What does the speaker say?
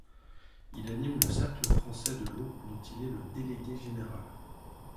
Il anime le Cercle français de l’eau, dont il est le délégué général.